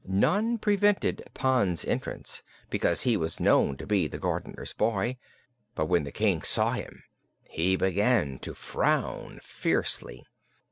None prevented Pon's entrance, because he was known to be the gardener's boy, but when the King saw him he began to frown fiercely.